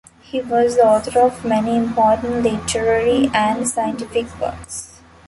He was the author of many important literary and scientific works.